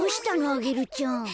アゲルちゃん。